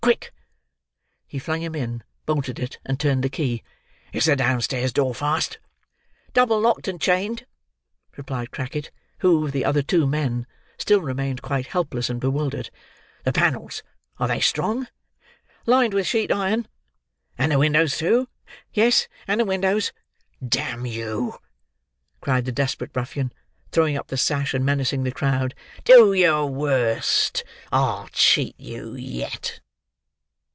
Quick!" He flung him in, bolted it, and turned the key. "Is the downstairs door fast?" "Double locked and chained," replied Crackit, who, with the other two men, still remained quite helpless and bewildered. "The panels—are they strong?" "Lined with sheet iron." "And the windows too?" "Yes, and the windows." "Damn you!" cried the desperate ruffian, throwing up the sash and menacing the crowd. "Do your worst! I'll cheat you yet!"